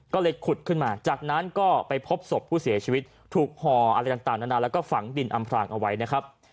ก็เลยขุดขึ้นมาจากนั้นก็ไปพบศพผู้เสียชีวิตถูกห่ออะไรต่างนานาแล้วก็ฝังดินอำพรางเอาไว้นะครับ